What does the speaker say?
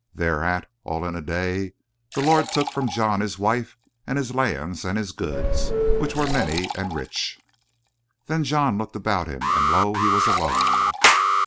Thereat, all in a day, the Lord took from John his wife and his lands and his goods, which were many and rich. "Then John looked about him, and lo! he was alone.